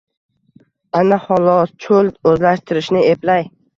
Ana, xolos! Cho‘l o‘zlashtirishni eplay